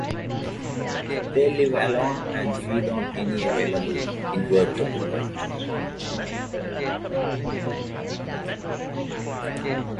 They live alone and feed on any available invertebrate.